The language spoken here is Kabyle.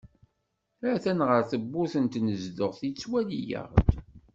Ha-t-an ɣer tewwurt n tnezduɣt, yettwali-aɣ-d.